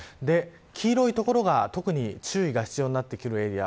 黄色い所が特に注意が必要になってくるエリア